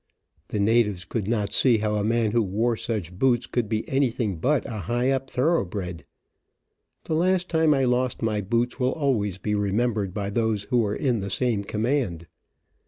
The natives could not see how a man who wore such boots could be anything but a high up thoroughbred. The last time I lost my boots will always be remembered by those who were in the same command.